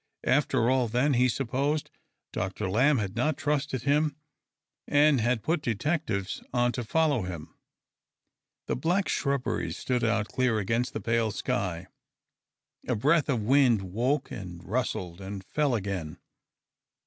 After all, then, he supposed. Dr. Lamb had not trusted him, and had put detectives on to follow him. The black shrubberies stood out clear against the pale sky ; a breath of wind woke and rustled and fell ao; ain.